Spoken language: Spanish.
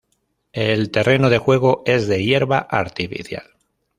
El terreno de juego es de hierba artificial.